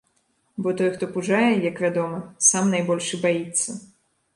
Бо той хто пужае, як вядома, сам найбольш і баіцца.